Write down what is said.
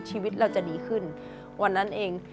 ชีวิตเราจะดีขึ้นวันนั้นเอง